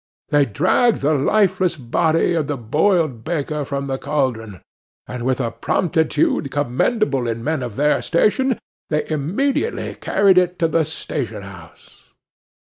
They dragged the lifeless body of the boiled baker from the cauldron, and, with a promptitude commendable in men of their station, they immediately carried it to the station house.